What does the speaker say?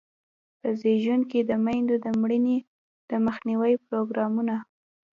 په زیږون کې د میندو د مړینې د مخنیوي پروګرامونه.